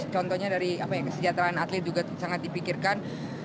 contohnya dari kesejahteraan atlet juga sangat dipikirkan